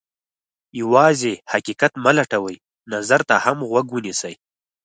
یوازې حقیقت مه لټوئ، نظر ته هم غوږ ونیسئ.